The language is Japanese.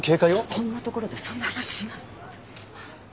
こんな所でそんな話しない！